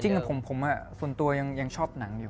จริงผมส่วนตัวยังชอบหนังอยู่